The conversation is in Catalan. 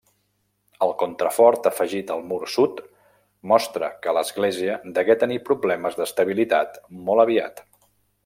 El contrafort afegit al mur sud mostra que l'església degué tenir problemes d'estabilitat molt aviat.